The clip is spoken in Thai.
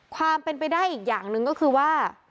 ความเป็นไปได้อีกอย่างหนึ่งก็คือว่า